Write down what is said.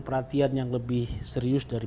perhatian yang lebih serius dari